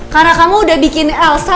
karena kamu udah bikin elsa